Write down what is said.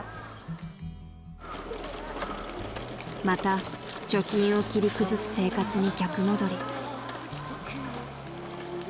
［また貯金を切り崩す生活に逆戻り］